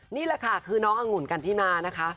นี่แหละค่ะคือน้องอังุ่นกันที่มานะคะ